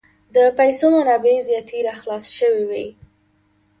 د پیسو منابع زیات را خلاص شوي وې.